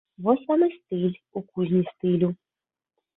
Вось вам і стыль у кузні стылю!